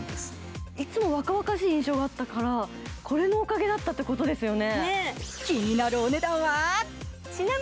いつも若々しい印象があったから、これのおかげだったということですよね。